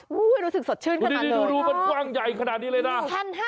รู้สึกสดชื่นขนาดนี้นี่ดูมันกว้างใหญ่ขนาดนี้เลยนะ